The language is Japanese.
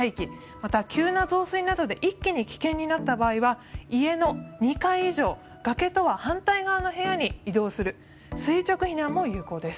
また、急な増水などで一気に危険になった場合は家の２階以上崖とは反対側の部屋に移動する垂直避難も有効です。